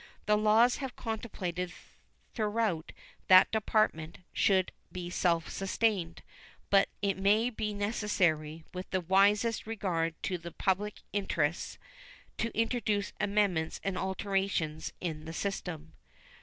The laws have contemplated throughout that the Department should be self sustained, but it may become necessary, with the wisest regard to the public interests, to introduce amendments and alterations in the system.